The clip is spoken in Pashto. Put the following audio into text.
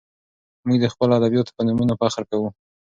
موږ د خپلو ادیبانو په نومونو فخر کوو.